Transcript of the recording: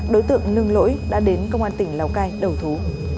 đối tượng lưng lỗi đã đến công an tỉnh lào cai đầu thú